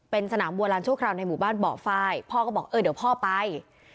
เป็นสนามบัวลานชั่วคราวในหมู่บ้านบ่อไฟล์พ่อก็บอกเออเดี๋ยวพ่อไป